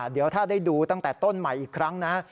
เดี๋ยวถ้าได้ดูตั้งแต่ต้นใหม่อีกครั้งนะ